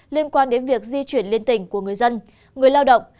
liên quan đến việc di chuyển liên tỉnh của người dân người lao động